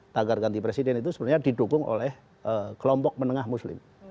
tagar ganti presiden itu sebenarnya didukung oleh kelompok menengah muslim